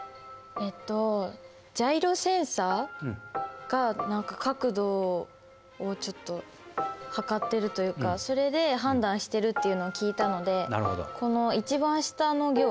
えっとジャイロセンサが何か角度をちょっと測ってるというかそれで判断してるっていうのを聞いたのでこの一番下の行。